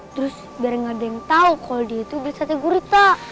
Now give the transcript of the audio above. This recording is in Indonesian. terus biar gak ada yang tau kalau dia itu beli sate gurita